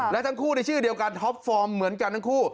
และทั้งคู่ในชื่อเดียวกันท็อปฟอร์มเหมือนกันทั้งคู่